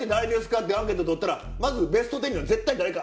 ってアンケート取ったらまずベスト１０には絶対誰か。